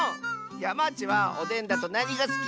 ヤマーチェはおでんだとなにがすき？